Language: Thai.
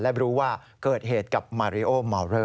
และรู้ว่าเกิดเหตุกับมาริโอเมาเลอร์